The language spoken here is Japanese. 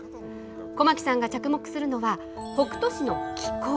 小牧さんが着目するのは、北杜市の気候。